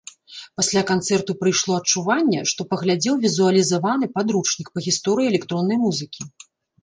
Пасля канцэрту прыйшло адчуванне, што паглядзеў візуалізаваны падручнік па гісторыі электроннай музыкі.